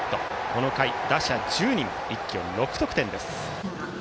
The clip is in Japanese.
この回、打者１０人一挙６得点です。